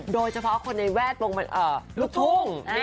โดยเฉพาะคนในแวดวงลูกทุ่ง